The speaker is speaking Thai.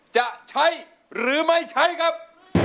จะใช้หรือไม่ใช้ครับ